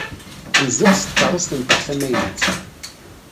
Nzuxx s tkeṛṛust-nteɣ tamaynut.